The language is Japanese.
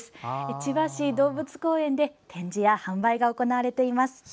千葉市動物公園で展示や販売が行われています。